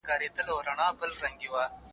دیپلوماسي د باور فضا رامینځته کوي.